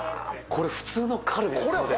これ普通のカルビです。